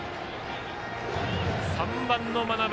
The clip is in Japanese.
３番の真鍋！